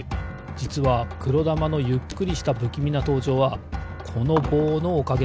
じつはくろだまのゆっくりしたぶきみなとうじょうはこのぼうのおかげなんです。